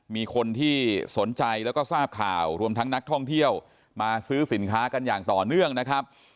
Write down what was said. มีคนที่สนใจแล้วก็ทราบข่าวรวมทั้งนักท่องเที่ยวมาซื้อสินค้ากันอย่างต่อเนื่องนะครับ